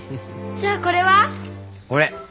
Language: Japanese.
じゃあこれは？